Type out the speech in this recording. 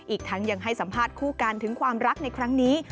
อีกทั้งยังให้สัมภาษณ์คู่กันถึงความรักในครั้งนี้